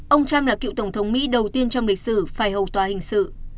ông trump là cựu tổng thống mỹ đầu tiên trong lịch sử phải hầu tòa hình sự